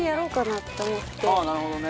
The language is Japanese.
なるほどね。